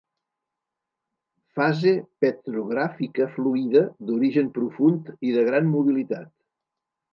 Fase petrogràfica fluida d'origen profund i de gran mobilitat.